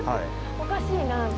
おかしいなあと。